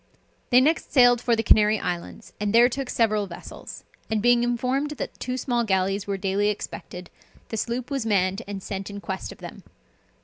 They next sailed for the Canary Islands, and there took several vessels; and being informed that two small galleys were daily expected, the sloop was manned and sent in quest of them.